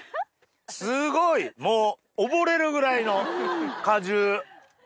すごい溺れるぐらいの果汁。